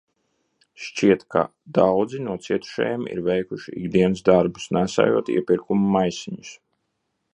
Šķiet, ka daudzi no cietušajiem ir veikuši ikdienas darbus, nēsājot iepirkumu maisiņus.